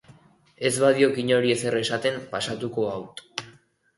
Ez badiok inori ezer esaten, pasatuko haut.